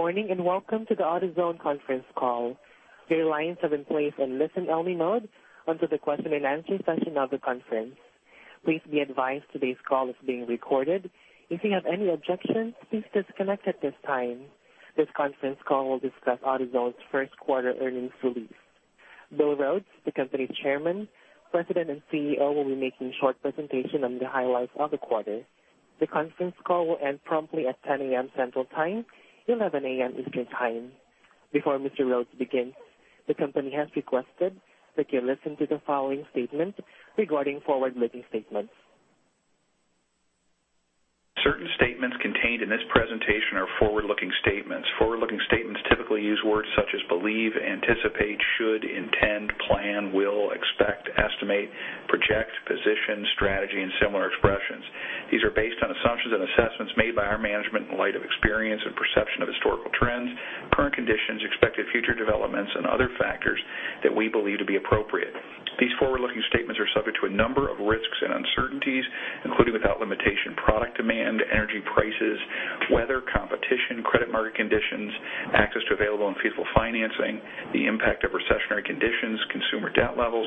Good morning, welcome to the AutoZone conference call. Your lines have been placed in listen-only mode until the question-and-answer session of the conference. Please be advised today's call is being recorded. If you have any objections, please disconnect at this time. This conference call will discuss AutoZone's first quarter earnings release. Bill Rhodes, the company's Chairman, President, and CEO, will be making short presentation on the highlights of the quarter. The conference call will end promptly at 10:00 A.M. Central Time, 11:00 A.M. Eastern Time. Before Mr. Rhodes begins, the company has requested that you listen to the following statement regarding forward-looking statements. Certain statements contained in this presentation are forward-looking statements. Forward-looking statements typically use words such as believe, anticipate, should, intend, plan, will, expect, estimate, project, position, strategy, and similar expressions. These are based on assumptions and assessments made by our management in light of experience and perception of historical trends, current conditions, expected future developments, and other factors that we believe to be appropriate. These forward-looking statements are subject to a number of risks and uncertainties, including without limitation, product demand, energy prices, weather, competition, credit market conditions, access to available and feasible financing, the impact of recessionary conditions, consumer debt levels,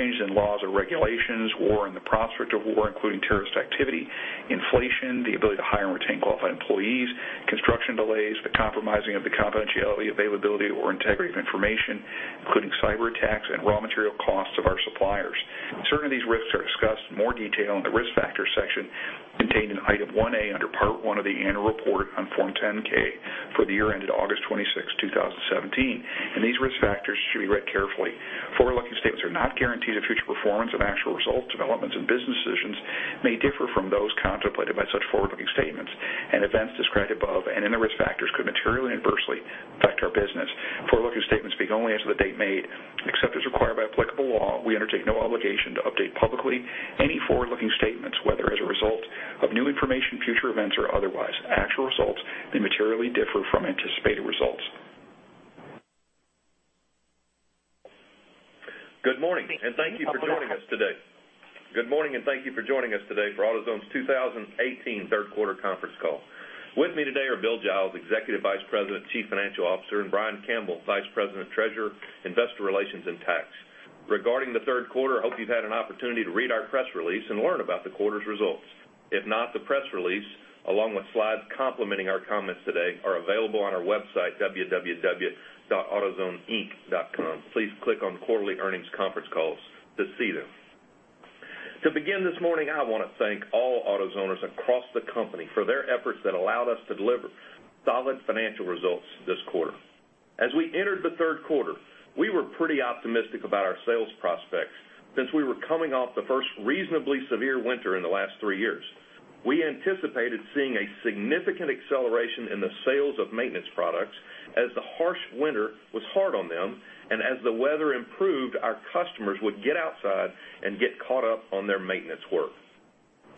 changes in laws or regulations, war and the prospect of war, including terrorist activity, inflation, the ability to hire and retain qualified employees, construction delays, the compromising of the confidentiality, availability, or integrity of information, including cyberattacks, and raw material costs of our suppliers. Certain of these risks are discussed in more detail in the Risk Factors section contained in Item 1A under Part One of the annual report on Form 10-K for the year ended August 26th, 2017, and these risk factors should be read carefully. Forward-looking statements are not guarantees of future performance, and actual results, developments, and business decisions may differ from those contemplated by such forward-looking statements, and events described above and in the risk factors could materially adversely affect our business. Forward-looking statements speak only as of the date made. Except as required by applicable law, we undertake no obligation to update publicly any forward-looking statements, whether as a result of new information, future events, or otherwise. Actual results may materially differ from anticipated results. Good morning, thank you for joining us today. Good morning, thank you for joining us today for AutoZone's 2018 third quarter conference call. With me today are Bill Giles, Executive Vice President, Chief Financial Officer, and Brian Campbell, Vice President, Treasurer, Investor Relations, and Tax. Regarding the third quarter, I hope you've had an opportunity to read our press release and learn about the quarter's results. If not, the press release, along with slides complementing our comments today, are available on our website, www.autozoneinc.com. Please click on Quarterly Earnings Conference Calls to see them. To begin this morning, I want to thank all AutoZoners across the company for their efforts that allowed us to deliver solid financial results this quarter. As we entered the third quarter, we were pretty optimistic about our sales prospects since we were coming off the first reasonably severe winter in the last 3 years. We anticipated seeing a significant acceleration in the sales of maintenance products as the harsh winter was hard on them, and as the weather improved, our customers would get outside and get caught up on their maintenance work.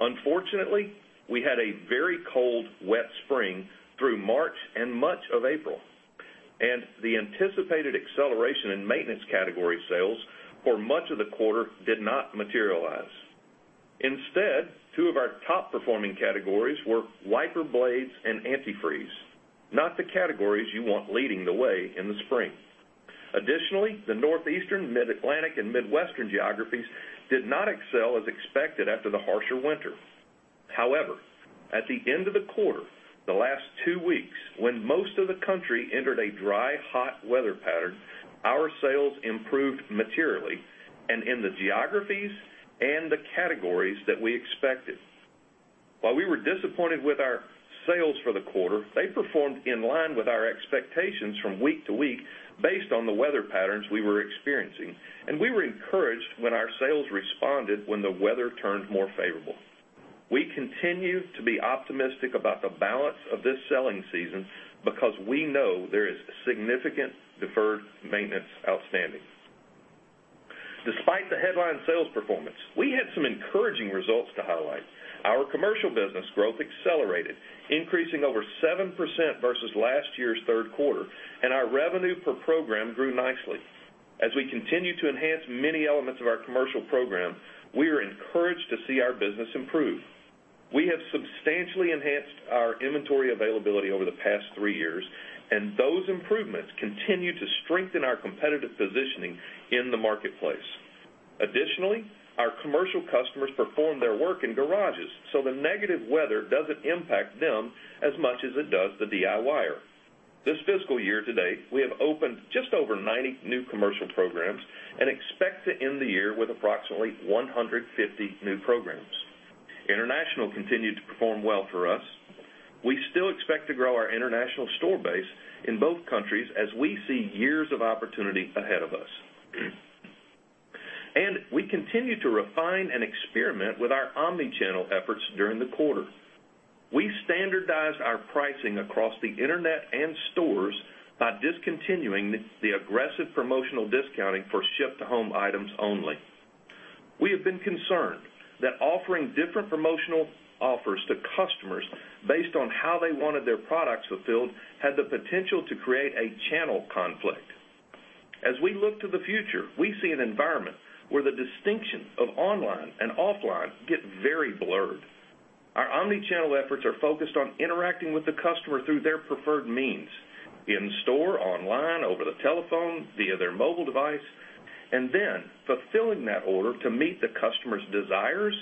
Unfortunately, we had a very cold, wet spring through March and much of April, and the anticipated acceleration in maintenance category sales for much of the quarter did not materialize. Instead, two of our top-performing categories were wiper blades and antifreeze, not the categories you want leading the way in the spring. Additionally, the Northeastern, Mid-Atlantic, and Midwestern geographies did not excel as expected after the harsher winter. At the end of the quarter, the last 2 weeks, when most of the country entered a dry, hot weather pattern, our sales improved materially and in the geographies and the categories that we expected. While we were disappointed with our sales for the quarter, they performed in line with our expectations from week to week based on the weather patterns we were experiencing. We were encouraged when our sales responded when the weather turned more favorable. We continue to be optimistic about the balance of this selling season because we know there is significant deferred maintenance outstanding. Despite the headline sales performance, we had some encouraging results to highlight. Our commercial business growth accelerated, increasing over 7% versus last year's third quarter, and our revenue per program grew nicely. As we continue to enhance many elements of our commercial program, we are encouraged to see our business improve. We have substantially enhanced our inventory availability over the past 3 years, and those improvements continue to strengthen our competitive positioning in the marketplace. Additionally, our commercial customers perform their work in garages, so the negative weather doesn't impact them as much as it does the DIYer. This fiscal year to date, we have opened just over 90 new commercial programs and expect to end the year with approximately 150 new programs. International continued to perform well for us. We still expect to grow our international store base in both countries as we see years of opportunity ahead of us. We continued to refine and experiment with our omni-channel efforts during the quarter. We standardized our pricing across the internet and stores by discontinuing the aggressive promotional discounting for ship-to-home items only. We have been concerned that offering different promotional offers to customers based on how they wanted their products fulfilled had the potential to create a channel conflict. As we look to the future, we see an environment where the distinction of online and offline get very blurred. Our omni-channel efforts are focused on interacting with the customer through their preferred means, in store, online, over the telephone, via their mobile device, and then fulfilling that order to meet the customer's desires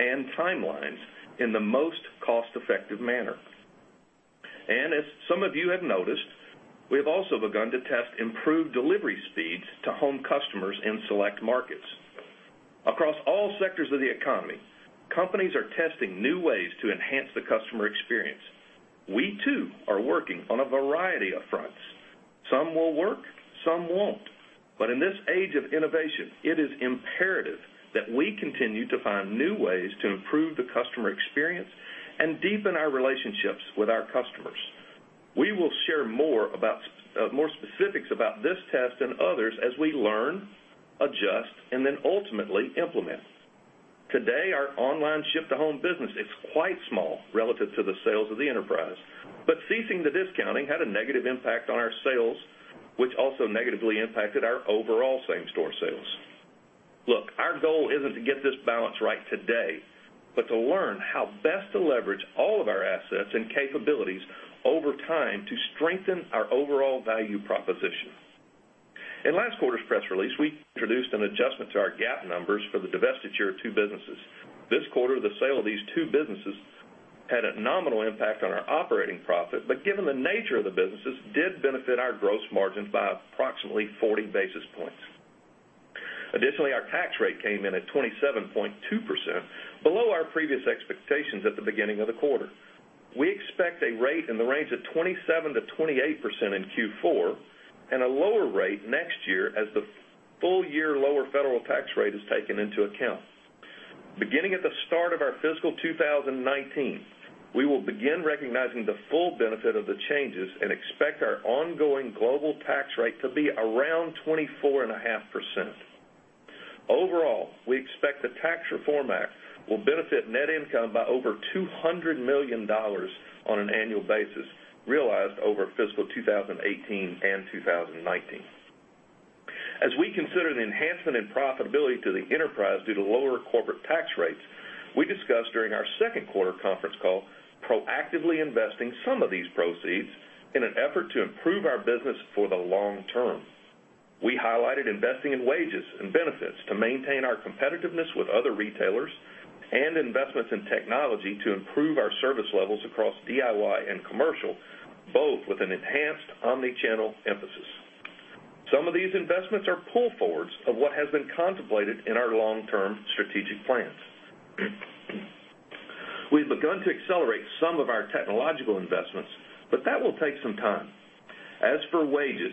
and timelines in the most cost-effective manner. As some of you have noticed, we have also begun to test improved delivery speeds to home customers in select markets. Across all sectors of the economy, companies are testing new ways to enhance the customer experience. We too are working on a variety of fronts. Some will work, some won't. In this age of innovation, it is imperative that we continue to find new ways to improve the customer experience and deepen our relationships with our customers. We will share more specifics about this test and others as we learn, adjust, and then ultimately implement. Today, our online ship to home business is quite small relative to the sales of the enterprise. Ceasing the discounting had a negative impact on our sales, which also negatively impacted our overall same-store sales. Look, our goal isn't to get this balance right today, but to learn how best to leverage all of our assets and capabilities over time to strengthen our overall value proposition. In last quarter's press release, we introduced an adjustment to our GAAP numbers for the divestiture of two businesses. This quarter, the sale of these two businesses had a nominal impact on our operating profit, but given the nature of the businesses, did benefit our gross margins by approximately 40 basis points. Additionally, our tax rate came in at 27.2%, below our previous expectations at the beginning of the quarter. We expect a rate in the range of 27%-28% in Q4, and a lower rate next year as the full year lower federal tax rate is taken into account. Beginning at the start of our fiscal 2019, we will begin recognizing the full benefit of the changes and expect our ongoing global tax rate to be around 24.5%. Overall, we expect the tax reform act will benefit net income by over $200 million on an annual basis, realized over fiscal 2018 and 2019. As we consider the enhancement in profitability to the enterprise due to lower corporate tax rates, we discussed during our second quarter conference call, proactively investing some of these proceeds in an effort to improve our business for the long term. We highlighted investing in wages and benefits to maintain our competitiveness with other retailers and investments in technology to improve our service levels across DIY and commercial, both with an enhanced omni-channel emphasis. Some of these investments are pull forwards of what has been contemplated in our long-term strategic plans. We've begun to accelerate some of our technological investments, but that will take some time. As for wages,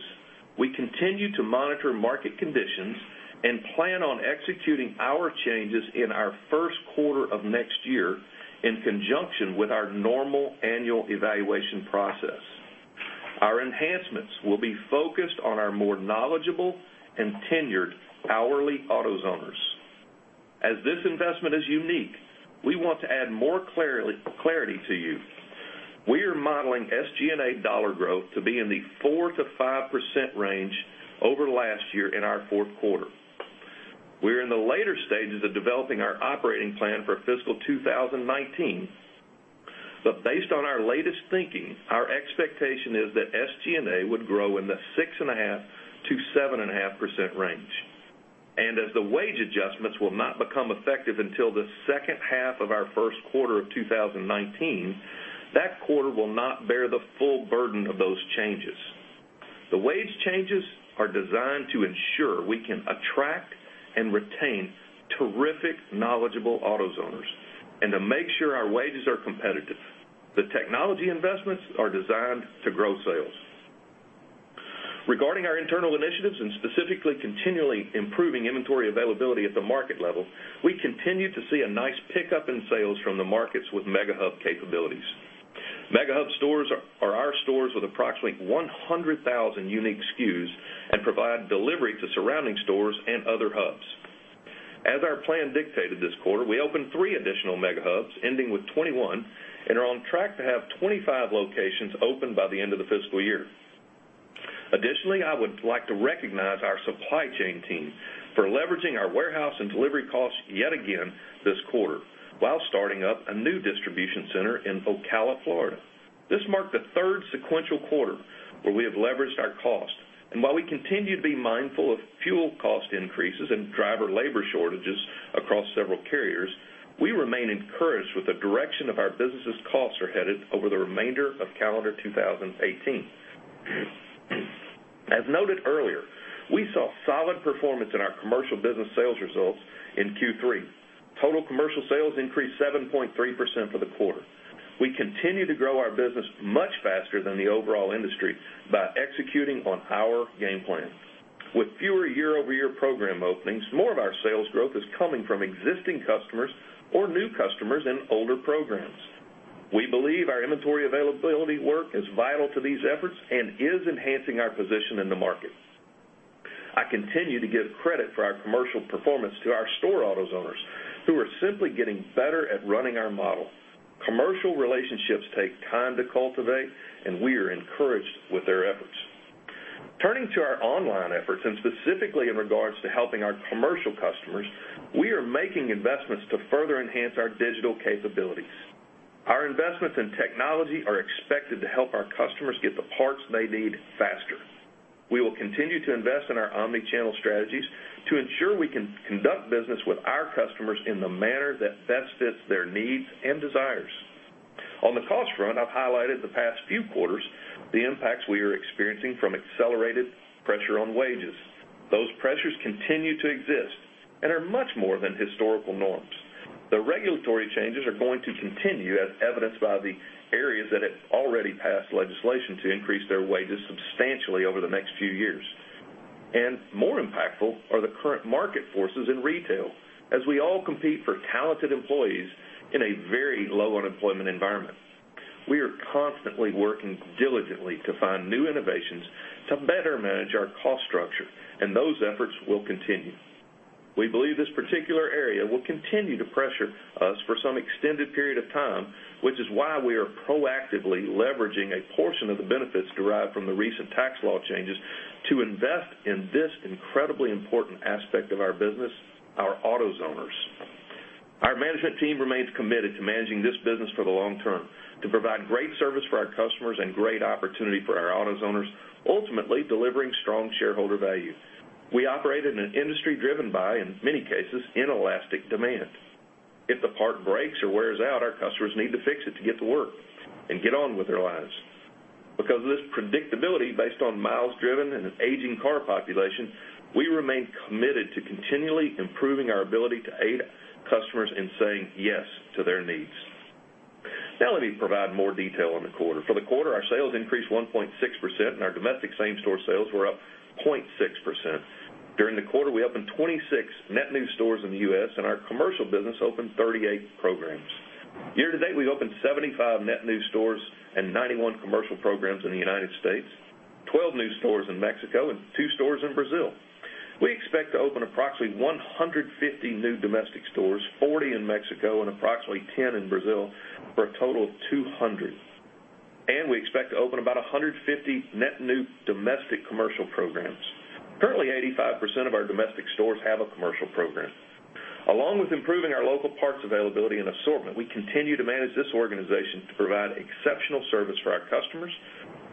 we continue to monitor market conditions and plan on executing our changes in our first quarter of next year in conjunction with our normal annual evaluation process. Our enhancements will be focused on our more knowledgeable and tenured hourly AutoZoners. As this investment is unique, we want to add more clarity to you. We are modeling SG&A dollar growth to be in the 4%-5% range over last year in our fourth quarter. We are in the later stages of developing our operating plan for fiscal 2019. Based on our latest thinking, our expectation is that SG&A would grow in the 6.5%-7.5% range. As the wage adjustments will not become effective until the second half of our first quarter of 2019, that quarter will not bear the full burden of those changes. The wage changes are designed to ensure we can attract and retain terrific, knowledgeable AutoZoners, and to make sure our wages are competitive. The technology investments are designed to grow sales. Regarding our internal initiatives and specifically continually improving inventory availability at the market level, we continue to see a nice pickup in sales from the markets with Mega Hub capabilities. Mega Hub stores are our stores with approximately 100,000 unique SKUs and provide delivery to surrounding stores and other hubs. As our plan dictated this quarter, we opened 3 additional Mega Hubs, ending with 21, and are on track to have 25 locations open by the end of the fiscal year. Additionally, I would like to recognize our supply chain team for leveraging our warehouse and delivery costs yet again this quarter, while starting up a new Distribution Center in Ocala, Florida. This marked the third sequential quarter where we have leveraged our cost. While we continue to be mindful of fuel cost increases and driver labor shortages across several carriers, we remain encouraged with the direction of our business's costs are headed over the remainder of calendar 2018. As noted earlier, we saw solid performance in our commercial business sales results in Q3. Total commercial sales increased 7.3% for the quarter. We continue to grow our business much faster than the overall industry by executing on our game plan. With fewer year-over-year program openings, more of our sales growth is coming from existing customers or new customers in older programs. We believe our inventory availability work is vital to these efforts and is enhancing our position in the market. I continue to give credit for our commercial performance to our store AutoZoners who are simply getting better at running our model. Commercial relationships take time to cultivate, we are encouraged with their efforts. Turning to our online efforts, specifically in regards to helping our commercial customers, we are making investments to further enhance our digital capabilities. Our investments in technology are expected to help our customers get the parts they need faster. We will continue to invest in our omni-channel strategies to ensure we can conduct business with our customers in the manner that best fits their needs and desires. On the cost front, I've highlighted the past few quarters the impacts we are experiencing from accelerated pressure on wages. Those pressures continue to exist and are much more than historical norms. The regulatory changes are going to continue, as evidenced by the areas that have already passed legislation to increase their wages substantially over the next few years. More impactful are the current market forces in retail, as we all compete for talented employees in a very low unemployment environment. We are constantly working diligently to find new innovations to better manage our cost structure, and those efforts will continue. We believe this particular area will continue to pressure us for some extended period of time, which is why we are proactively leveraging a portion of the benefits derived from the recent tax law changes to invest in this incredibly important aspect of our business, our AutoZoners. Our management team remains committed to managing this business for the long term, to provide great service for our customers and great opportunity for our AutoZoners, ultimately delivering strong shareholder value. We operate in an industry driven by, in many cases, inelastic demand. If the part breaks or wears out, our customers need to fix it to get to work and get on with their lives. Because of this predictability based on miles driven and an aging car population, we remain committed to continually improving our ability to aid customers in saying yes to their needs. Now let me provide more detail on the quarter. For the quarter, our sales increased 1.6%, and our domestic same-store sales were up 0.6%. During the quarter, we opened 26 net new stores in the U.S., and our commercial business opened 38 programs. Year-to-date, we've opened 75 net new stores and 91 commercial programs in the United States, 12 new stores in Mexico and two stores in Brazil. We expect to open approximately 150 new domestic stores, 40 in Mexico and approximately 10 in Brazil, for a total of 200. We expect to open about 150 net new domestic commercial programs. Currently, 85% of our domestic stores have a commercial program. Along with improving our local parts availability and assortment, we continue to manage this organization to provide exceptional service for our customers,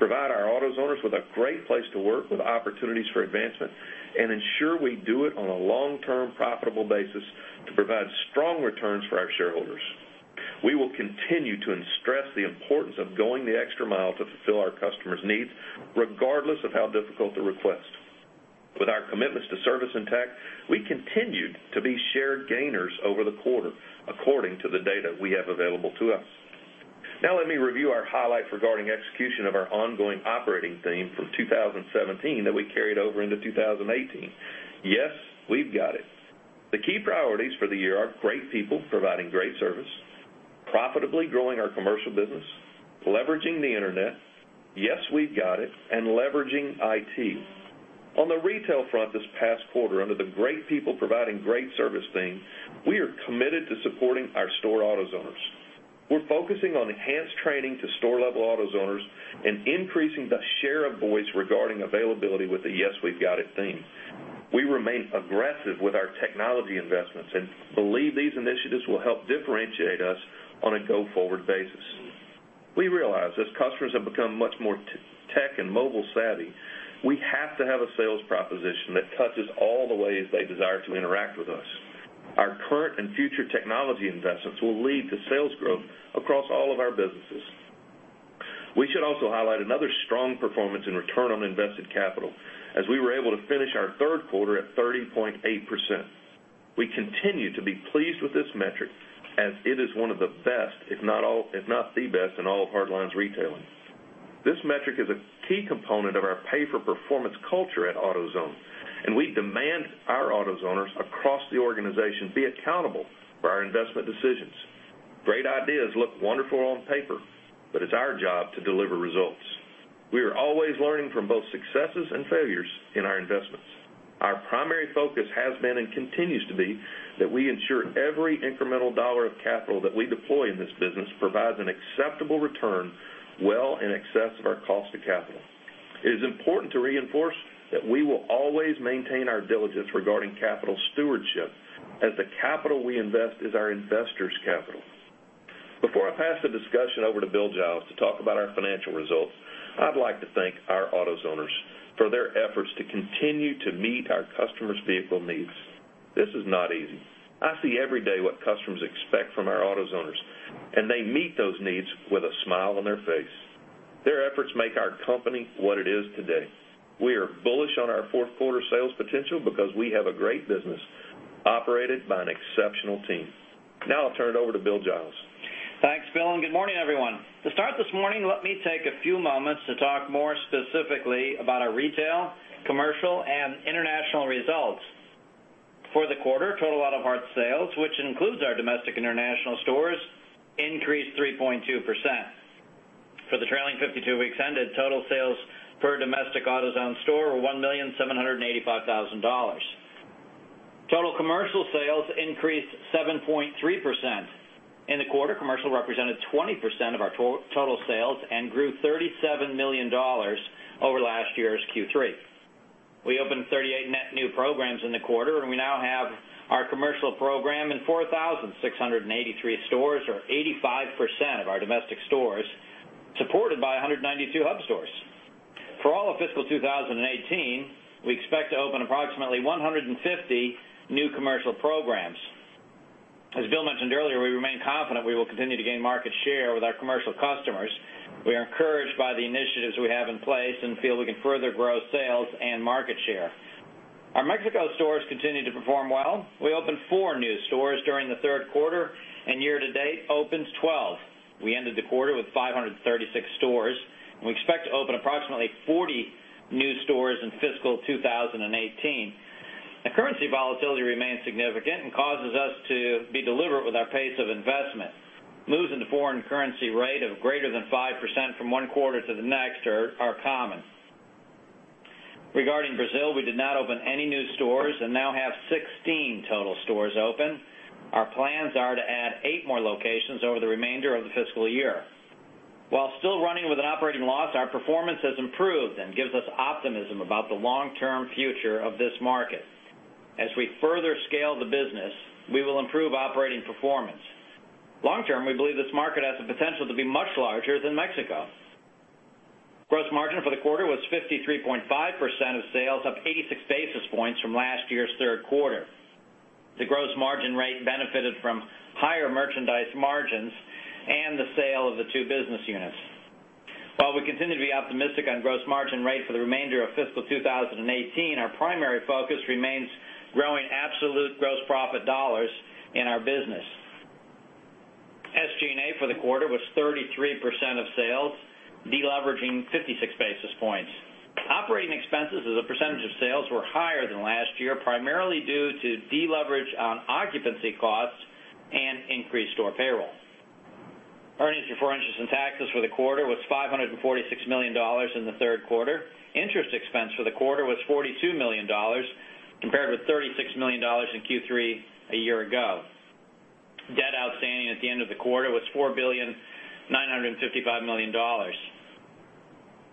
provide our AutoZoners with a great place to work with opportunities for advancement, and ensure we do it on a long-term profitable basis to provide strong returns for our shareholders. We will continue to stress the importance of going the extra mile to fulfill our customers' needs, regardless of how difficult the request. With our commitments to service and tech, we continued to be shared gainers over the quarter according to the data we have available to us. Now let me review our highlights regarding execution of our ongoing operating theme from 2017 that we carried over into 2018, Yes, We've Got It. The key priorities for the year are great people providing great service, profitably growing our commercial business, leveraging the internet, Yes, We've Got It, and leveraging IT. On the retail front this past quarter, under the great people providing great service theme, we are committed to supporting our store AutoZoners. We're focusing on enhanced training to store-level AutoZoners and increasing the share of voice regarding availability with the Yes, We've Got It theme. We remain aggressive with our technology investments and believe these initiatives will help differentiate us on a go-forward basis. We realize as customers have become much more tech and mobile savvy, we have to have a sales proposition that touches all the ways they desire to interact with us. Our current and future technology investments will lead to sales growth across all of our businesses. We should also highlight another strong performance in return on invested capital, as we were able to finish our third quarter at 30.8%. We continue to be pleased with this metric, as it is one of the best, if not the best in all of hardline retailing. This metric is a key component of our pay-for-performance culture at AutoZone, and we demand our AutoZoners across the organization be accountable for our investment decisions. Great ideas look wonderful on paper, but it's our job to deliver results. We are always learning from both successes and failures in our investments. Our primary focus has been and continues to be that we ensure every incremental dollar of capital that we deploy in this business provides an acceptable return well in excess of our cost of capital. It is important to reinforce that we will always maintain our diligence regarding capital stewardship, as the capital we invest is our investors' capital. Before I pass the discussion over to Bill Giles to talk about our financial results, I'd like to thank our AutoZoners for their efforts to continue to meet our customers' vehicle needs. This is not easy. I see every day what customers expect from our AutoZoners, and they meet those needs with a smile on their face. Their efforts make our company what it is today. We are bullish on our fourth quarter sales potential because we have a great business operated by an exceptional team. Now I'll turn it over to Bill Giles. Thanks, Bill, good morning, everyone. To start this morning, let me take a few moments to talk more specifically about our retail, commercial, and international results. For the quarter, total AutoZone sales, which includes our domestic international stores, increased 3.2%. For the trailing 52 weeks ended, total sales per domestic AutoZone store were $1,785,000. Commercial sales increased 7.3%. In the quarter, commercial represented 20% of our total sales and grew $37 million over last year's Q3. We opened 38 net new programs in the quarter. We now have our commercial program in 4,683 stores, or 85% of our domestic stores, supported by 192 hub stores. For all of fiscal 2018, we expect to open approximately 150 new commercial programs. As Bill mentioned earlier, we remain confident we will continue to gain market share with our commercial customers. We are encouraged by the initiatives we have in place. We feel we can further grow sales and market share. Our Mexico stores continue to perform well. We opened four new stores during the third quarter, year to date opened 12. We ended the quarter with 536 stores. We expect to open approximately 40 new stores in fiscal 2018. The currency volatility remains significant and causes us to be deliberate with our pace of investment. Moves in the foreign currency rate of greater than 5% from one quarter to the next are common. Regarding Brazil, we did not open any new stores. We now have 16 total stores open. Our plans are to add eight more locations over the remainder of the fiscal year. While still running with an operating loss, our performance has improved and gives us optimism about the long-term future of this market. As we further scale the business, we will improve operating performance. Long term, we believe this market has the potential to be much larger than Mexico. Gross margin for the quarter was 53.5% of sales, up 86 basis points from last year's third quarter. The gross margin rate benefited from higher merchandise margins and the sale of the two business units. While we continue to be optimistic on gross margin rate for the remainder of fiscal 2018, our primary focus remains growing absolute gross profit dollars in our business. SG&A for the quarter was 33% of sales, deleveraging 56 basis points. Operating expenses as a percentage of sales were higher than last year, primarily due to deleverage on occupancy costs and increased store payroll. Earnings before interest and taxes for the quarter was $546 million in the third quarter. Interest expense for the quarter was $42 million, compared with $36 million in Q3 a year ago. Debt outstanding at the end of the quarter was $4,955,000,000.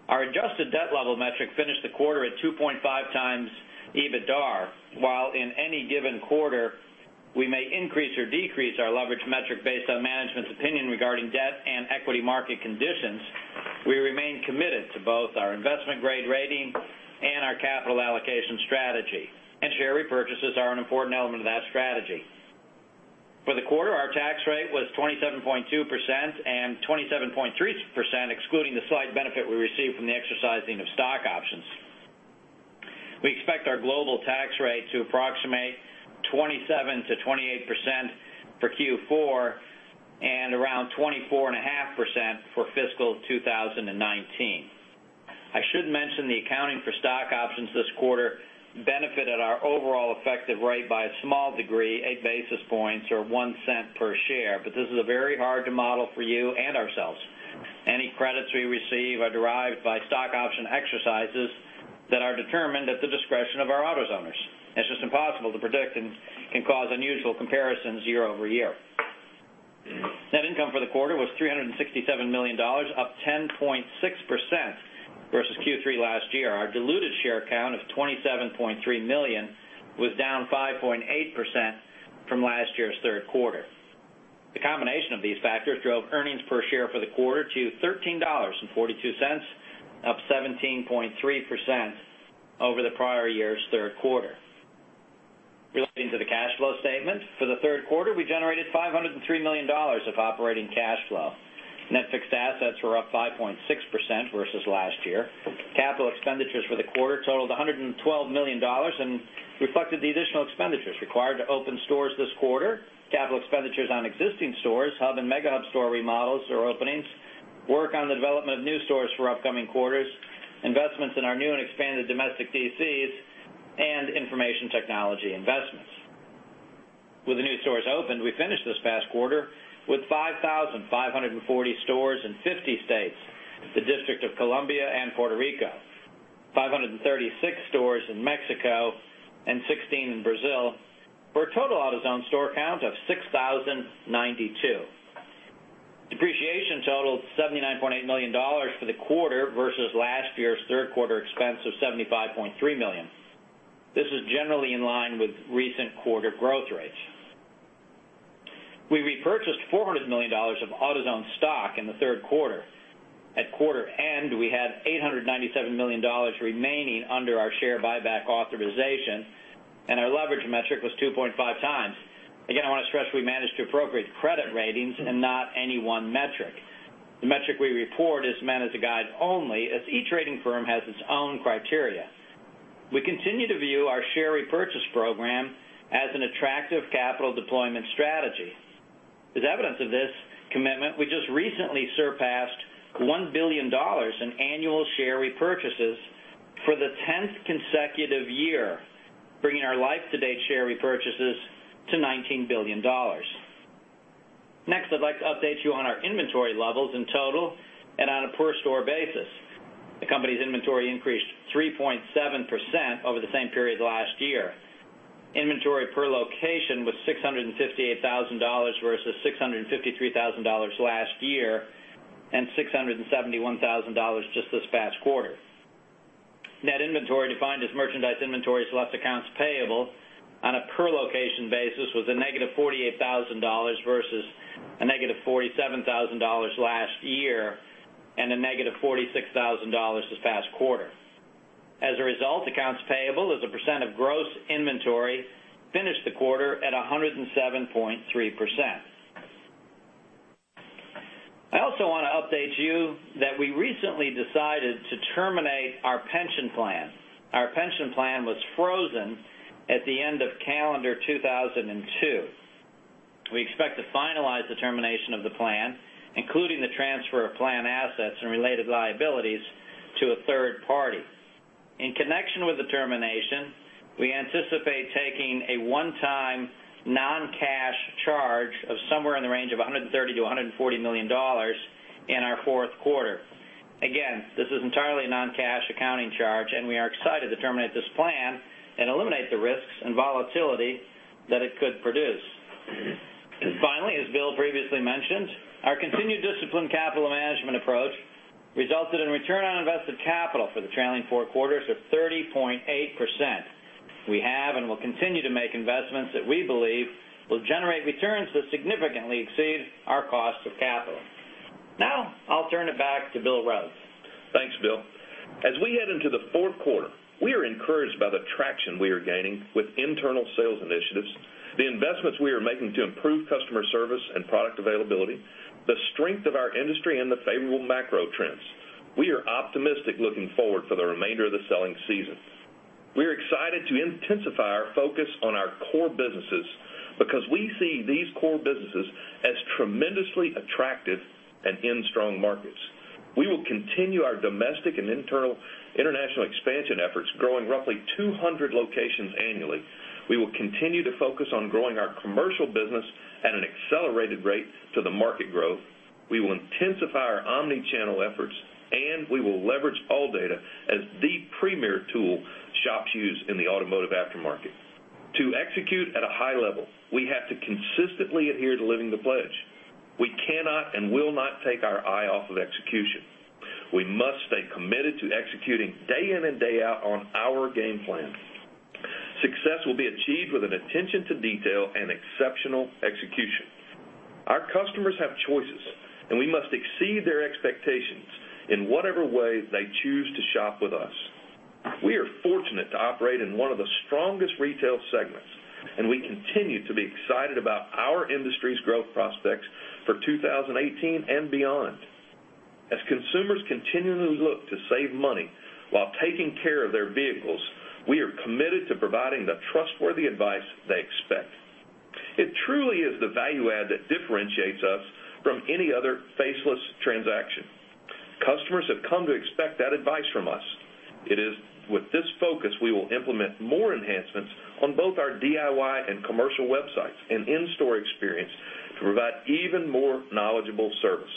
Our adjusted debt level metric finished the quarter at 2.5 times EBITDAR. While in any given quarter we may increase or decrease our leverage metric based on management's opinion regarding debt and equity market conditions, we remain committed to both our investment-grade rating and our capital allocation strategy, and share repurchases are an important element of that strategy. For the quarter, our tax rate was 27.2% and 27.3%, excluding the slight benefit we received from the exercising of stock options. We expect our global tax rate to approximate 27%-28% for Q4 and around 24.5% for fiscal 2019. I should mention the accounting for stock options this quarter benefited our overall effective rate by a small degree, eight basis points or $0.01 per share. This is very hard to model for you and ourselves. Any credits we receive are derived by stock option exercises that are determined at the discretion of our AutoZoners. It's just impossible to predict and can cause unusual comparisons year-over-year. Net income for the quarter was $367 million, up 10.6% versus Q3 last year. Our diluted share count of 27.3 million was down 5.8% from last year's third quarter. The combination of these factors drove earnings per share for the quarter to $13.42, up 17.3% over the prior year's third quarter. Relating to the cash flow statement, for the third quarter, we generated $503 million of operating cash flow. Net fixed assets were up 5.6% versus last year. Capital expenditures for the quarter totaled $112 million and reflected the additional expenditures required to open stores this quarter. Capital expenditures on existing stores, hub and Mega Hub store remodels or openings, work on the development of new stores for upcoming quarters, investments in our new and expanded domestic DCs, and information technology investments. With the new stores opened, we finished this past quarter with 5,540 stores in 50 states, the District of Columbia and Puerto Rico, 536 stores in Mexico and 16 in Brazil, for a total AutoZone store count of 6,092. Depreciation totaled $79.8 million for the quarter versus last year's third quarter expense of $75.3 million. This is generally in line with recent quarter growth rates. We repurchased $400 million of AutoZone stock in the third quarter. At quarter end, we had $897 million remaining under our share buyback authorization, and our leverage metric was 2.5 times. I want to stress we manage to appropriate credit ratings and not any one metric. The metric we report is meant as a guide only, as each rating firm has its own criteria. We continue to view our share repurchase program as an attractive capital deployment strategy. As evidence of this commitment, we just recently surpassed $1 billion in annual share repurchases for the 10th consecutive year, bringing our life-to-date share repurchases to $19 billion. I'd like to update you on our inventory levels in total and on a per store basis. The company's inventory increased 3.7% over the same period last year. Inventory per location was $658,000 versus $653,000 last year, and $671,000 just this past quarter. Net inventory defined as merchandise inventories less accounts payable on a per location basis was a negative $48,000 versus a negative $47,000 last year and a negative $46,000 this past quarter. As a result, accounts payable as a percent of gross inventory finished the quarter at 107.3%. I also want to update you that we recently decided to terminate our pension plan. Our pension plan was frozen at the end of calendar 2002. We expect to finalize the termination of the plan, including the transfer of plan assets and related liabilities to a third party. In connection with the termination, we anticipate taking a one-time non-cash charge of somewhere in the range of $130 million-$140 million in our fourth quarter. Again, this is entirely a non-cash accounting charge, and we are excited to terminate this plan and eliminate the risks and volatility that it could produce. Finally, as Bill previously mentioned, our continued disciplined capital management approach resulted in return on invested capital for the trailing four quarters of 30.8%. We have and will continue to make investments that we believe will generate returns that significantly exceed our cost of capital. Now, I'll turn it back to Bill Rhodes. Thanks, Bill. As we head into the fourth quarter, we are encouraged by the traction we are gaining with internal sales initiatives, the investments we are making to improve customer service and product availability, the strength of our industry, and the favorable macro trends. We are optimistic looking forward for the remainder of the selling season. We are excited to intensify our focus on our core businesses because we see these core businesses as tremendously attractive and in strong markets. We will continue our domestic and international expansion efforts, growing roughly 200 locations annually. We will continue to focus on growing our commercial business at an accelerated rate to the market growth. We will intensify our omni-channel efforts, and we will leverage all data as the premier tool shops use in the automotive aftermarket. To execute at a high level, we have to consistently adhere to Living the Pledge. We cannot and will not take our eye off of execution. We must stay committed to executing day in and day out on our game plan. Success will be achieved with an attention to detail and exceptional execution. Our customers have choices, and we must exceed their expectations in whatever way they choose to shop with us. We are fortunate to operate in one of the strongest retail segments, and we continue to be excited about our industry's growth prospects for 2018 and beyond. As consumers continually look to save money while taking care of their vehicles, we are committed to providing the trustworthy advice they expect. It truly is the value add that differentiates us from any other faceless transaction. Customers have come to expect that advice from us. It is with this focus we will implement more enhancements on both our DIY and commercial websites and in-store experience to provide even more knowledgeable service.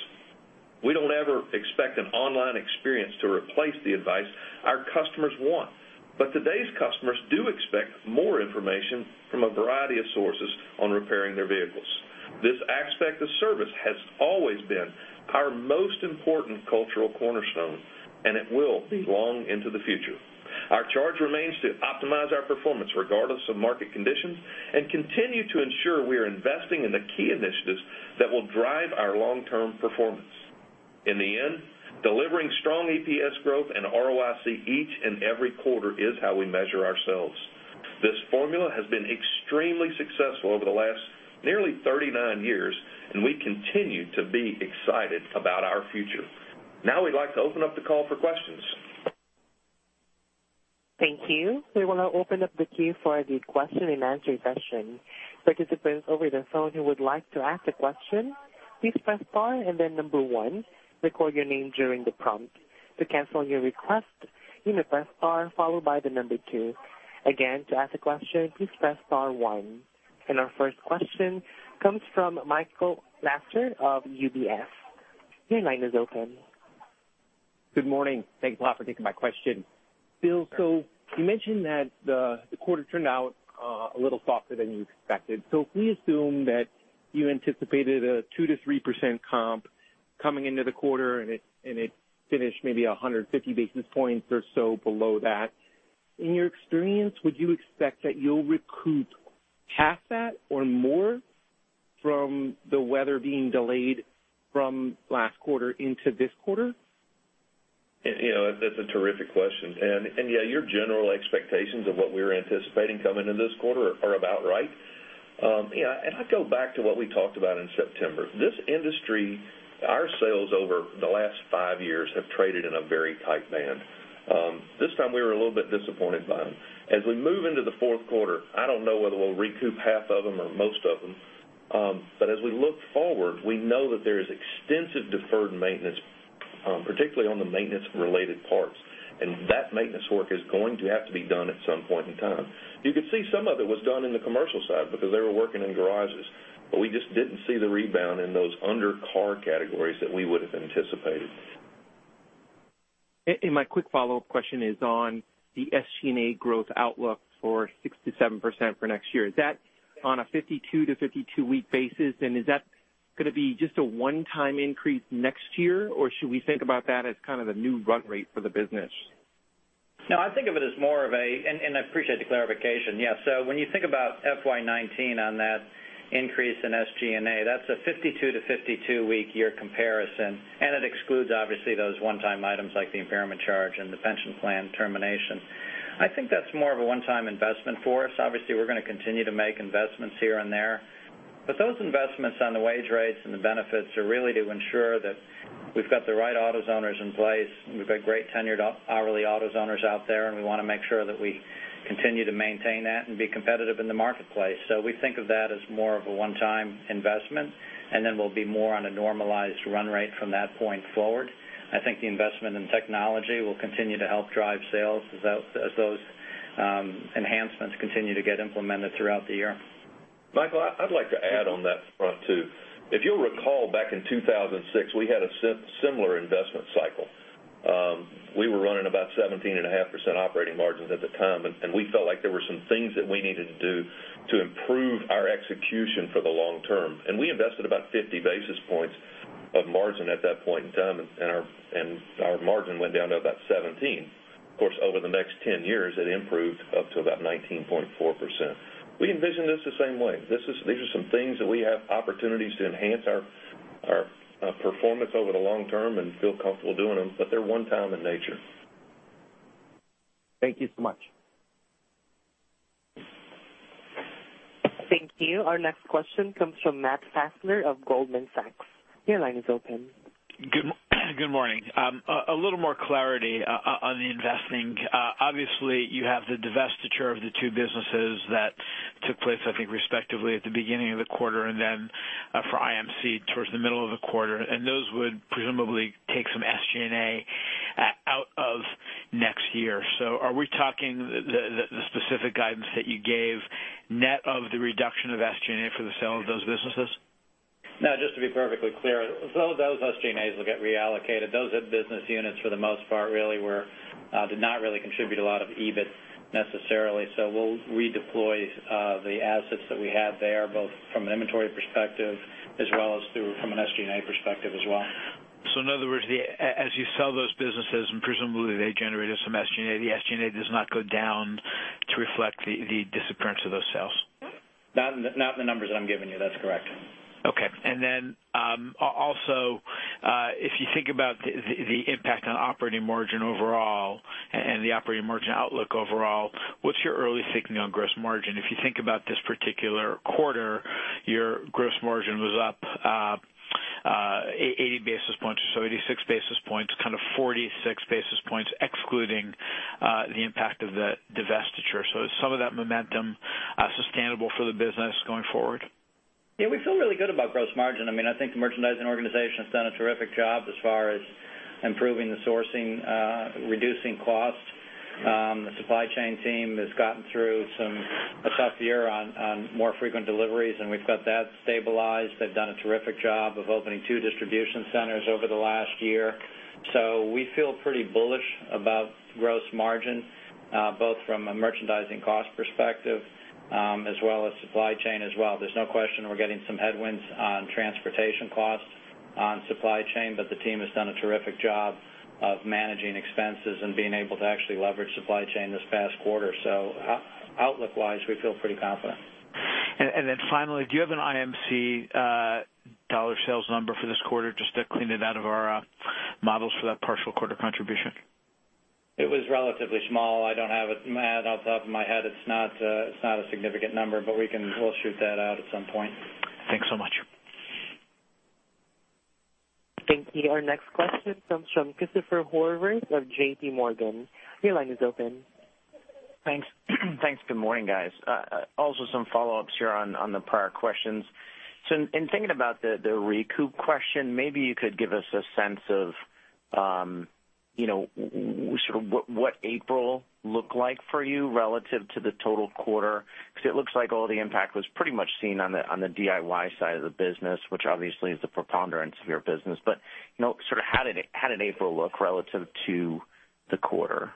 We don't ever expect an online experience to replace the advice our customers want, but today's customers do expect more information from a variety of sources on repairing their vehicles. This aspect of service has always been our most important cultural cornerstone, and it will be long into the future. Our charge remains to optimize our performance regardless of market conditions and continue to ensure we are investing in the key initiatives that will drive our long-term performance. In the end, delivering strong EPS growth and ROIC each and every quarter is how we measure ourselves. This formula has been extremely successful over the last nearly 39 years, and we continue to be excited about our future. We'd like to open up the call for questions. Thank you. We will now open up the queue for the question and answer session. Participants over the phone who would like to ask a question, please press star and then number one. Record your name during the prompt. To cancel your request, you may press star followed by the number two. Again, to ask a question, please press star one. Our first question comes from Michael Lasser of UBS. Your line is open. Good morning. Thanks a lot for taking my question. Bill, you mentioned that the quarter turned out a little softer than you expected. If we assume that you anticipated a 2%-3% comp coming into the quarter and it finished maybe 150 basis points or so below that, in your experience, would you expect that you'll recoup half that or more from the weather being delayed from last quarter into this quarter? That's a terrific question. Yeah, your general expectations of what we were anticipating coming into this quarter are about right. I go back to what we talked about in September. This industry, our sales over the last five years have traded in a very tight band. This time we were a little bit disappointed by them. As we move into the fourth quarter, I don't know whether we'll recoup half of them or most of them. As we look forward, we know that there is extensive deferred maintenance. Particularly on the maintenance-related parts. That maintenance work is going to have to be done at some point in time. You could see some of it was done in the commercial side because they were working in garages, we just didn't see the rebound in those under-car categories that we would've anticipated. My quick follow-up question is on the SG&A growth outlook for 67% for next year. Is that on a 52 to 52-week basis, is that going to be just a one-time increase next year, or should we think about that as kind of the new run rate for the business? No, I think of it as more of. I appreciate the clarification. When you think about FY 2019 on that increase in SG&A, that's a 52 to 52-week year comparison. It excludes, obviously, those one-time items like the impairment charge and the pension plan termination. I think that's more of a one-time investment for us. Obviously, we're going to continue to make investments here and there. Those investments on the wage rates and the benefits are really to ensure that we've got the right AutoZoners in place, and we've got great tenured hourly AutoZoners out there, and we want to make sure that we continue to maintain that and be competitive in the marketplace. We think of that as more of a one-time investment, then we'll be more on a normalized run rate from that point forward. I think the investment in technology will continue to help drive sales as those enhancements continue to get implemented throughout the year. Michael, I'd like to add on that front, too. If you'll recall, back in 2006, we had a similar investment cycle. We were running about 17.5% operating margins at the time, and we felt like there were some things that we needed to do to improve our execution for the long term. We invested about 50 basis points of margin at that point in time, and our margin went down to about 17%. Of course, over the next 10 years, it improved up to about 19.4%. We envision this the same way. These are some things that we have opportunities to enhance our performance over the long term and feel comfortable doing them, but they're one time in nature. Thank you so much. Thank you. Our next question comes from Matt Fassler of Goldman Sachs. Your line is open. Good morning. A little more clarity on the investing. Obviously, you have the divestiture of the two businesses that took place, I think, respectively at the beginning of the quarter, and then for IMC towards the middle of the quarter, and those would presumably take some SG&A out of next year. Are we talking the specific guidance that you gave net of the reduction of SG&A for the sale of those businesses? No, just to be perfectly clear, those SG&As will get reallocated. Those are business units for the most part, did not really contribute a lot of EBIT necessarily. We'll redeploy the assets that we have there, both from an inventory perspective as well as through from an SG&A perspective as well. In other words, as you sell those businesses, and presumably they generated some SG&A, the SG&A does not go down to reflect the disappearance of those sales? Not in the numbers that I'm giving you. That's correct. Okay. Also, if you think about the impact on operating margin overall and the operating margin outlook overall, what's your early thinking on gross margin? If you think about this particular quarter, your gross margin was up 80 basis points or so, 86 basis points, kind of 46 basis points, excluding the impact of the divestiture. Is some of that momentum sustainable for the business going forward? We feel really good about gross margin. I think the merchandising organization's done a terrific job as far as improving the sourcing, reducing cost. The supply chain team has gotten through a tough year on more frequent deliveries, and we've got that stabilized. They've done a terrific job of opening two distribution centers over the last year. We feel pretty bullish about gross margin, both from a merchandising cost perspective, as well as supply chain as well. There's no question we're getting some headwinds on transportation costs on supply chain, but the team has done a terrific job of managing expenses and being able to actually leverage supply chain this past quarter. Outlook-wise, we feel pretty confident. Do you have an IMC dollar sales number for this quarter just to clean it out of our models for that partial quarter contribution? It was relatively small. I don't have it Matt off the top of my head. It's not a significant number, but we'll shoot that out at some point. Thanks so much. Thank you. Our next question comes from Christopher Horvers of J.P. Morgan. Your line is open. Thanks. Thanks. Good morning, guys. In thinking about the recoup question, maybe you could give us a sense of what April looked like for you relative to the total quarter. It looks like all the impact was pretty much seen on the DIY side of the business, which obviously is the preponderance of your business. How did April look relative to the quarter?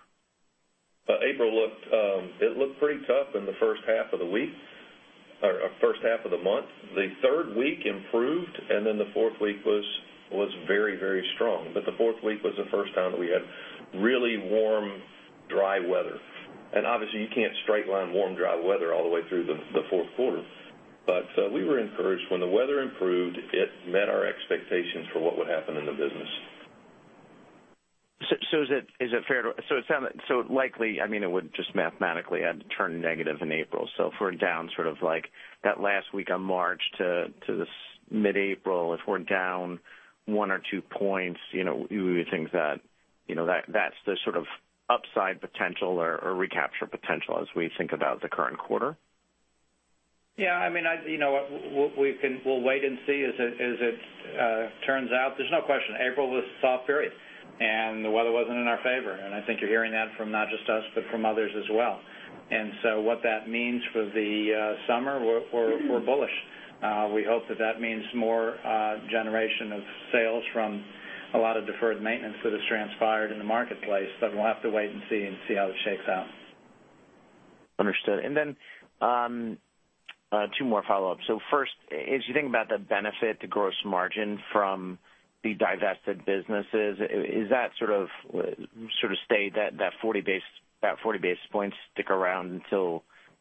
April looked pretty tough in the first half of the week or first half of the month. The third week improved, the fourth week was very strong. The fourth week was the first time that we had really warm, dry weather. Obviously, you can't straight line warm dry weather all the way through the fourth quarter. We were encouraged. When the weather improved, it met our expectations for what would happen in the business. Is it fair to likely, it would just mathematically had to turn negative in April? If we're down sort of like that last week of March to this mid-April, if we're down one or two points, you would think that's the sort of upside potential or recapture potential as we think about the current quarter? Yeah. We'll wait and see as it turns out. There's no question, April was a soft period, and the weather wasn't in our favor. I think you're hearing that from not just us, but from others as well. What that means for the summer, we're bullish. We hope that that means more generation of sales from a lot of deferred maintenance that has transpired in the marketplace. We'll have to wait and see and see how it shakes out. Understood. Two more follow-ups. First, as you think about the benefit to gross margin from the divested businesses, is that sort of stay that 40 basis points stick around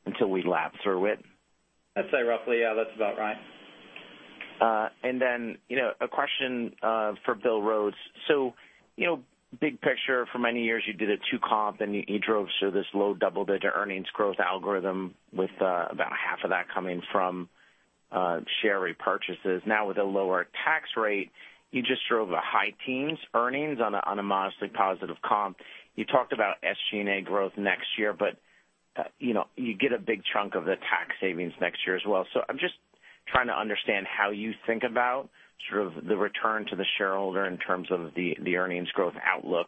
until we lap through it? I'd say roughly, yeah, that's about right. A question for Bill Rhodes. Big picture, for many years you did a two comp and you drove sort of this low double-digit earnings growth algorithm with about half of that coming from share repurchases. Now with a lower tax rate, you just drove a high teens earnings on a modestly positive comp. You talked about SG&A growth next year, you get a big chunk of the tax savings next year as well. I'm just trying to understand how you think about sort of the return to the shareholder in terms of the earnings growth outlook,